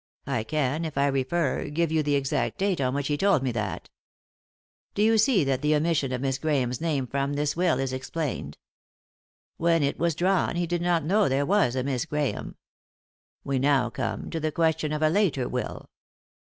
I can, if I refer, give you the exact date on which he told me that. Do you see that the omission of Miss Grahame's name from this will is explained P When it was drawn he did not know there was a Miss Grahame. We now come to the question of a later will.